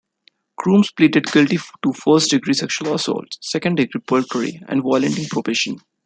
Crooms pleaded guilty to first-degree sexual assault, second-degree burglary and violating probation.